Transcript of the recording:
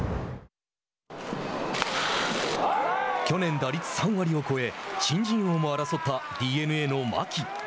去年、打率３割を超え新人王も争ったＤｅＮＡの牧。